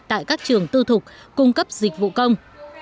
tại các trường tư thục cung cấp dịch vụ công